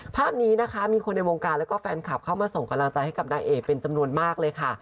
ภาพนี้นะคะมีคนในวงการแล้วก็แฟนคลับเข้ามาส่งกำลังใจให้กับนางเอกเป็นจำนวนมากเลยค่ะ